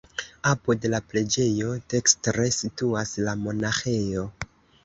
Apud la preĝejo dekstre situas la monaĥejo.